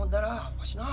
わしな